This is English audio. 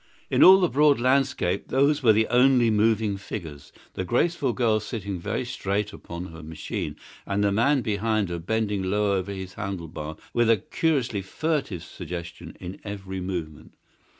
In all the broad landscape those were the only moving figures, the graceful girl sitting very straight upon her machine, and the man behind her bending low over his handle bar, with a curiously furtive suggestion in every movement.